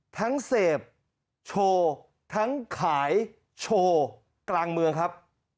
ทั้งเสพโชว์ทั้งขายโชว์กลางเมืองครับ